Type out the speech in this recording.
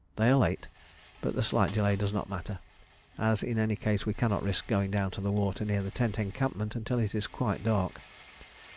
They are late, but the slight delay does not matter, as in any case we cannot risk going down to the water near the tent encampment until it is quite dark.